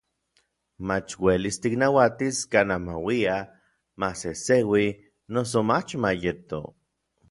mach uelis tiknauatis kanaj mauia, masejseui noso mach mayeto.